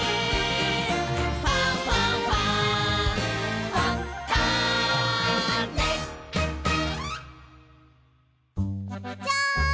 「ファンファンファン」ジャン！